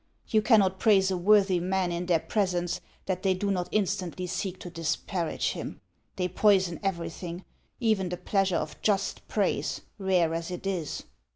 You can not praise a worthy man in their presence, that they do not instantly seek to disparage him. They poison every thing, even the pleasure of just praise, rare as it is."